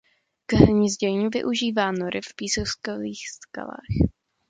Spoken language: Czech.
K hnízdění využívá nory v pískovcových skalách.